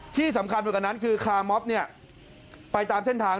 ที่สำคัญหมดกันนั้นคือคาร์มอฟฮ่ะเข้าไปตามเส้นทาง